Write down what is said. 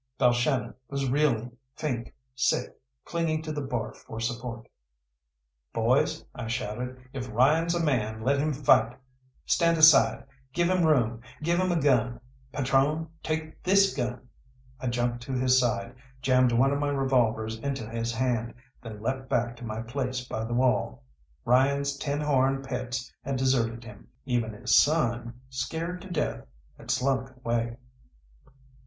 Balshannon was reeling, faint, sick, clinging to the bar for support. "Boys," I shouted, "if Ryan's a man, let him fight. Stand aside, give him room, give him a gun. Patrone, take this gun!" I jumped to his side, jammed one of my revolvers into his hand, then leapt back to my place by the wall. Ryan's tin horn pets had deserted him; even his son, scared to death, had slunk away.